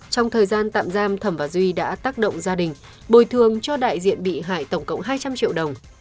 trong thời gian tạm giam thẩm và duy đã tác động gia đình bồi thường cho đại diện bị hại tổng cộng hai trăm linh triệu đồng